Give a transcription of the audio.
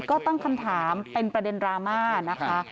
ก็ตั้งคำถามเป็นประเด็นดราม่านะคะ